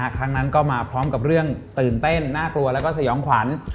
ครั้งนั้นก็มาพร้อมกับเรื่องตื่นเต้นน่ากลัวแล้วก็สยองขวัญ